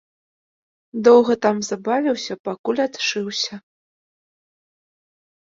Доўга там забавіўся, покуль адшыўся.